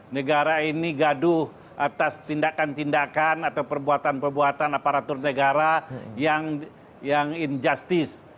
negara ini gaduh atas tindakan tindakan atau perbuatan perbuatan aparatur negara yang injustice